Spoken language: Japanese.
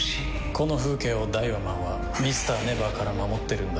この風景をダイワマンはＭｒ．ＮＥＶＥＲから守ってるんだ。